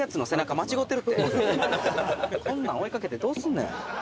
「こんなん追いかけてどうすんねん」